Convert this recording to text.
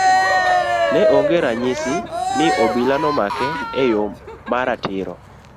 Ne onge ranyisi ni obila nomake e yo ma ratiro.